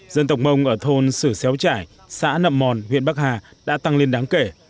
dân tộc mông ở thôn sử xéo trải xã nậm mòn huyện bắc hà đã tăng lên đáng kể